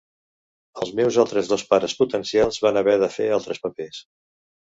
Els meus altres dos pares potencials van haver de fer altres papers.